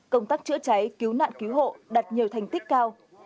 công tác trợi trái kiếm mạng cứu hộ đạt nhiều thành tích cao